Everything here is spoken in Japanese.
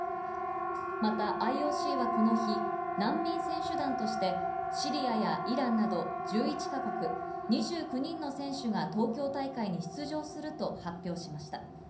またＩＯＣはこの日、難民選手団としてシリアやイランなど、１１か国、２９人の選手が東京大会に出場すると発表しました。